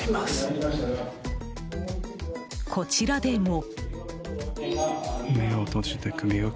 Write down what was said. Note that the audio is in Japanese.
こちらでも。